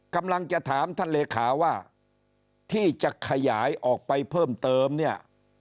กำลังจะถามท่านเลขาว่าที่จะขยายออกไปเพิ่มเติมเนี่ย